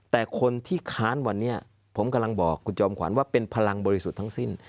แต่คนที่ค้านวันนี้ผมกำลังบอกคุณจอมขวัญว่าเป็นพลังบริสุทธิ์ทั้งสิ้น